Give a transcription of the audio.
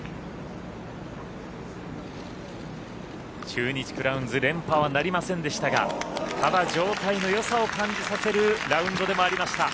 中日クラウンズ連覇はなりませんでしたがただ、状態の良さを感じさせるラウンドでもありました。